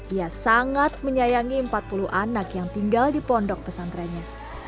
ia sangat menyayangi empat puluh anak yang tinggal di pondok pesantrennya